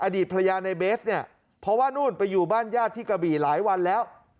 อดีตภรรยาในเบสเนี่ยเพราะว่านู่นไปอยู่บ้านญาติที่กระบี่หลายวันแล้ว